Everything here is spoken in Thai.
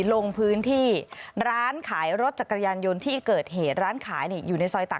ลงพื้นที่ร้านขายรถจักรยานยนต์ที่เกิดเหตุ